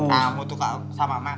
kamu tuh sama makan